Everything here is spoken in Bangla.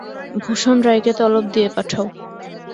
ভূষণ রায়কে তলব দিয়ে পাঠাও।